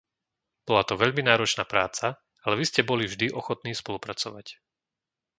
Bola to veľmi náročná práca, ale vy ste boli vždy ochotný spolupracovať.